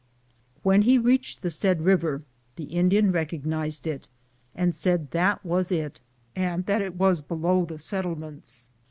When he reached the said river, the In dian recognized it and said that was it, and that it was below the settlements.